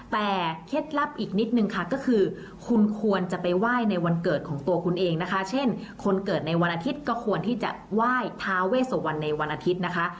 แต่เคล็ดลับอีกนิดนึงค่ะก็คือคุณควรจะไปไหว้ในวันเกิดของตัวคุณเองนะคะเช่นคนเกิดในวันอาทิตย์ก็ควรที่จะไหว้ท้าเวสวรรณในวันอาทิตย์นะคะ